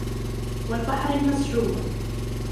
والبحر المسجور